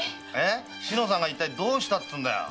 志乃さんがどうしたっていうんだよ？